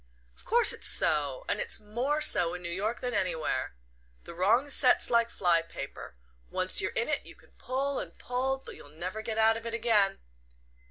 "Of course it's so. And it's more so in New York than anywhere. The wrong set's like fly paper: once you're in it you can pull and pull, but you'll never get out of it again."